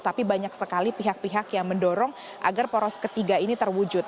tapi banyak sekali pihak pihak yang mendorong agar poros ketiga ini terwujud